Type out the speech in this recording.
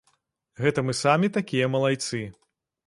Гэта мы самі такія малайцы.